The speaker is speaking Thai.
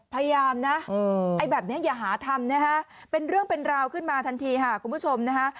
พยายามนะไอ้แบบนี้อย่าหาทำนะฮะเป็นเรื่องเป็นราวขึ้นมาทันทีค่ะคุณผู้ชมนะฮะ